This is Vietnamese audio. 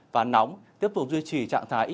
và nóng tiếp tục duy trì trạng thái